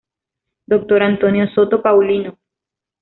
Dr. Antonio Soto Paulino.